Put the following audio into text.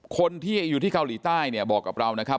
คนที่อยู่ที่เกาหลีใต้เนี่ยบอกกับเรานะครับ